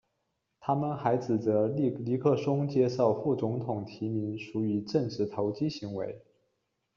他们还指责尼克松接受副总统提名属于政治投机行为。